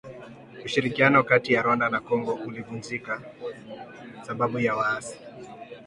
Ushirikiano kati ya Rwanda na Kongo ulivunjika sababu ya waasi.